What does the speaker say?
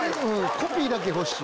コピーだけ欲しい。